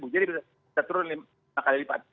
jadi bisa turun lima kali lipat